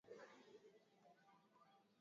magonjwa ya kuambukiza